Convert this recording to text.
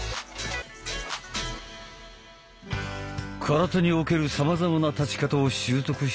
空手におけるさまざまな立ち方を習得した２人。